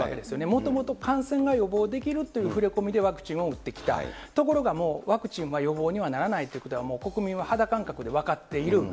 もともと感染が予防できるという触れ込みでワクチンを打ってきた、ところがもうワクチンは予防にはならないということは、国民は肌感覚で分かっている。